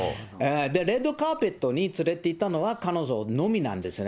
レッドカーペットに連れていったのは彼女のみなんですよね。